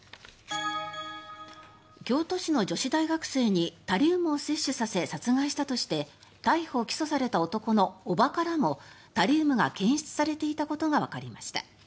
京都市の女子大学生にタリウムを摂取させ殺害したとして逮捕・起訴された男の叔母からもタリウムが検出されていたことがわかりました。